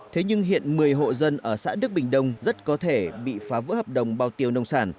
thế nhưng hiện một mươi hộ dân ở xã đức bình đông rất có thể bị phá vỡ hợp đồng bao tiêu nông sản